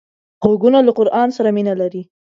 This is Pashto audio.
غوږونه له قرآن سره مینه لري